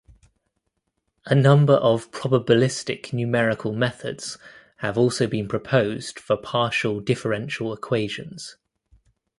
A number of probabilistic numerical methods have also been proposed for partial differential equations.